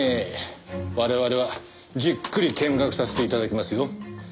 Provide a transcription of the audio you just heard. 我々はじっくり見学させて頂きますよ。